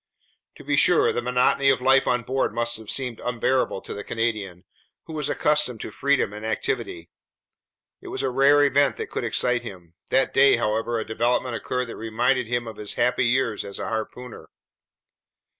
To be sure, the monotony of life on board must have seemed unbearable to the Canadian, who was accustomed to freedom and activity. It was a rare event that could excite him. That day, however, a development occurred that reminded him of his happy years as a harpooner.